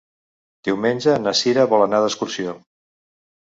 Diumenge na Cira vol anar d'excursió.